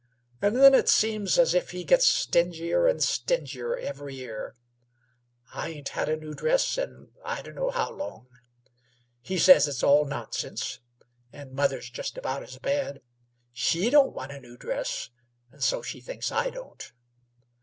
An' then it seems as if he gets stingier 'n' stingier every year. I ain't had a new dress in I d' know how long. He says it's all nonsense, an' mother's just about as bad. She don't want a new dress, an' so she thinks I don't."